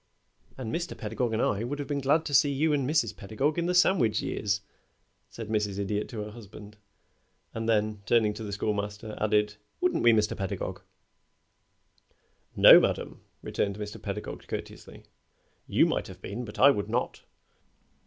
"And Mr. Pedagog and I would have been glad to see you and Mrs. Pedagog in the sandwich years," said Mrs. Idiot to her husband; and then, turning to the Schoolmaster, added, "Wouldn't we, Mr. Pedagog?" "No, madame," returned Mr. Pedagog, courteously. "You might have been, but I would not.